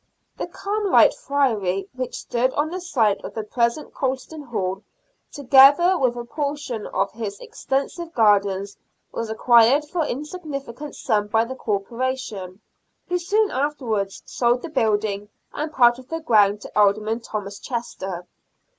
The Carme lite Friary, which stood on the site of the present Colston Hall, together with a portion of its extensive gardens, was acquired for an insignificant sum by the Corporation, who soon afterwards sold the building and part of the ground to Alderman Thomas Chester.